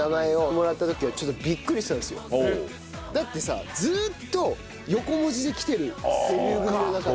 僕はだってさずーっと横文字できてるデビュー組の中で。